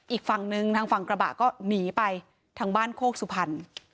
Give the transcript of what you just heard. อีกฝั่งนึงทางฝั่งกระบะก็หนีไปทางบ้านโคกสุพรรณ